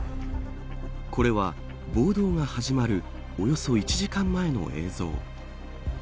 これは暴動が始まるおよそ１時間前の映像。